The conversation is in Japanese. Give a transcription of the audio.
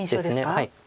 はい。